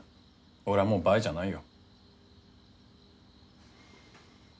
俺はもうバイじゃないよ。